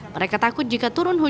mereka takut jika banjir terlalu besar